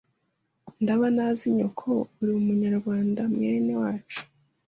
ndaba ntazi nyoko uri umunyarwanda mwene wacu